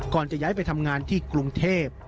จะย้ายไปทำงานที่กรุงเทพ